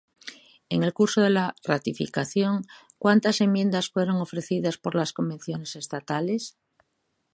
En el curso a la ratificación, ¿cuántas enmiendas fueron ofrecidas por las convenciones Estatales?